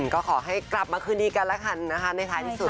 ก็ขอให้กลับมาคืนดีกันแล้วกันนะคะในท้ายที่สุด